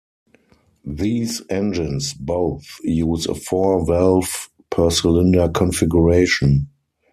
These engines both use a four-valve per cylinder configuration.